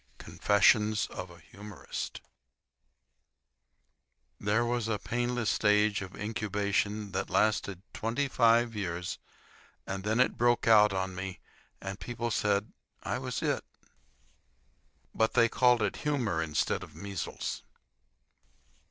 CONFESSIONS OF A HUMORIST There was a painless stage of incubation that lasted twenty five years, and then it broke out on me, and people said I was It. But they called it humor instead of measles.